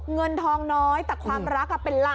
เงินทองน้อยแต่ความรักเป็นล้าน